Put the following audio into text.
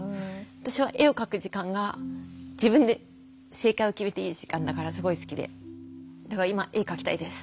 私は絵を描く時間が自分で正解を決めていい時間だからすごい好きでだから今絵描きたいです。